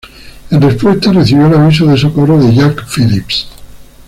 En respuesta recibió el aviso de socorro de Jack Phillips.